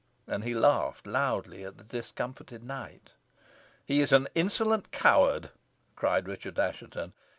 And he laughed loudly at the discomfited knight. "He is an insolent coward," said Richard Assheton.